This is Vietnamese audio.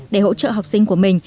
để hỗ trợ học sinh của mình